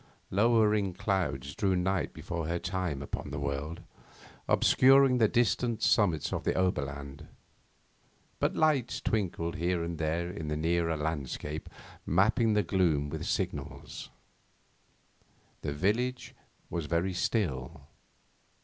Lowering clouds drew night before her time upon the world, obscuring the distant summits of the Oberland, but lights twinkled here and there in the nearer landscape, mapping the gloom with signals. The village was very still.